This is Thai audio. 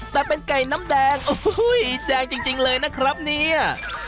แต่เป็นไก่น้ำแดงโอ้โหแดงจริงเลยนะครับเนี่ย